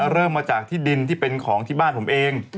เริ่มมาจากที่ดินที่เป็นของที่บ้านผมเอง